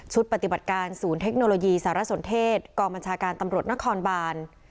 ปฏิบัติการศูนย์เทคโนโลยีสารสนเทศกองบัญชาการตำรวจนครบาน